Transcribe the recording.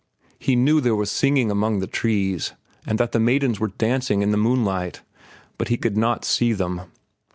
He knew there was singing among the trees and that the maidens were dancing in the moonlight, but he could not see them.